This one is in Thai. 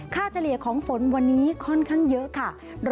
เฉลี่ยของฝนวันนี้ค่อนข้างเยอะค่ะ